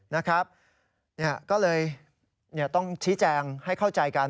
นะครับก็เลยต้องชี้แจงให้เข้าใจกัน